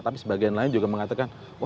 tapi sebagian lain juga mengatakan